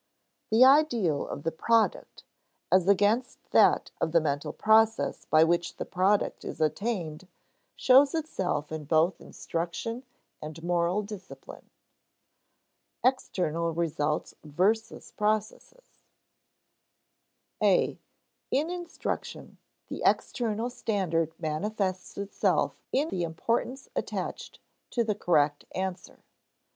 The ideal of the product, as against that of the mental process by which the product is attained, shows itself in both instruction and moral discipline. [Sidenote: External results versus processes] (a) In instruction, the external standard manifests itself in the importance attached to the "correct answer."